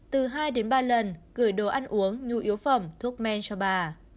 từ hai đến ba lần gửi đồ ăn uống nhu yếu phẩm thuốc men cho bà